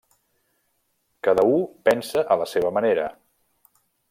Cada u pensa a la seva manera.